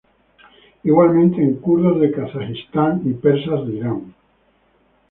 Igualmente en kurdos de Kazajistán y persas de Irán.